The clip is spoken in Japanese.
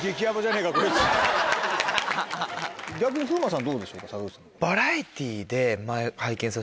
逆に風磨さんどうでしょうか坂口さん。